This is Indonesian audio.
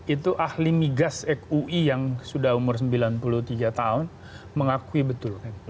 itu ahli migas kui yang sudah umur sembilan puluh tiga tahun mengakui betul